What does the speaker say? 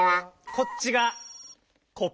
こっちが「コップ」。